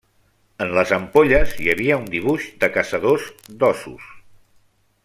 En les ampolles hi havia un dibuix de caçadors d'óssos.